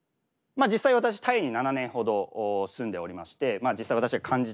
実際私タイに７年ほど住んでおりまして実際私が感じたことですね。